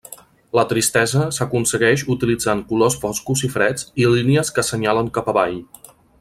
La tristesa s'aconsegueix utilitzant colors foscos i freds i línies que assenyalen cap avall.